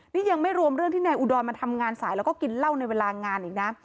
นี่ยังไม่รวมเรื่องที่นายอุดรมาทำงานสายแล้วก็กินเหล้าในเวลางานอีกนะ